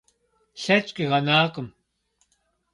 Лъэкӏ къигъэнакъым.